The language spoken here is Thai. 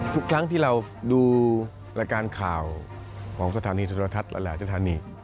ทุกครั้งที่เราดูรายการข่าวของสถานีโทรทัศน์และหลายจุธานี